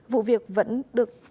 vụ việc vẫn được bàn giải